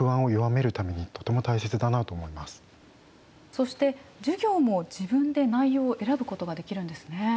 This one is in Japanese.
そして授業も自分で内容を選ぶことができるんですね。